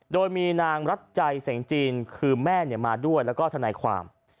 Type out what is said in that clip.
โดยมีนางรัฐใจเสียงจีนคือแม่มาด้วยแล้วก็ทนายความ